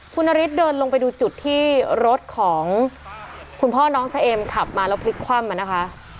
คุณนฤทธิเดินลงไปดูจุดที่รถของคุณพ่อน้องเฉเอ็มขับมาแล้วพลิกคว่ำมานะคะ